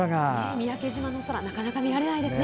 三宅島の空なかなか見られないですね。